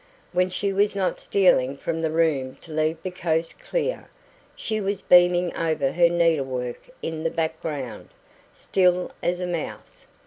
When she was not stealing from the room to leave the coast clear, she was beaming over her needlework in the background, still as a mouse.